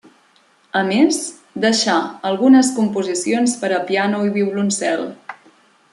A més, deixà algunes composicions per a piano i violoncel.